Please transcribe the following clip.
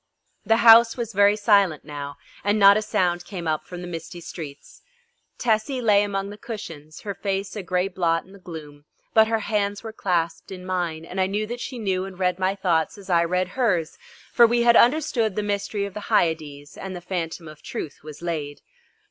The house was very silent now, and not a sound came up from the misty streets. Tessie lay among the cushions, her face a grey blot in the gloom, but her hands were clasped in mine, and I knew that she knew and read my thoughts as I read hers, for we had understood the mystery of the Hyades and the Phantom of Truth was laid.